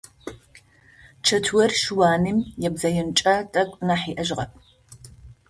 Чэтыур щыуаным ибзэенкӏэ тэкӏу нахь иӏэжьыгъэп.